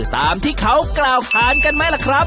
ตามที่เขากล่าวค้านกันไหมล่ะครับ